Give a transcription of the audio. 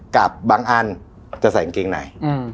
กับบางอันจะใส่กิงใน